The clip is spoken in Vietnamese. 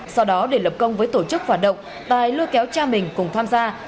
sau đó để lập công với tổ chức hoạt động tài lưu kéo cha mình cùng tham gia